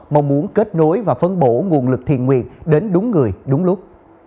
mong muốn kết nối và phân bổ nguồn lực thiền nguyện đến đúng người đúng lúc